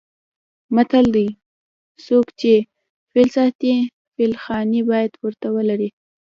متل دی: څوک چې فیل ساتي فیل خانې باید ورته ولري.